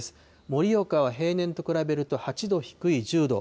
盛岡は平年と比べると８度低い１０度。